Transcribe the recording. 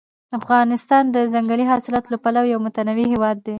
افغانستان د ځنګلي حاصلاتو له پلوه یو متنوع هېواد دی.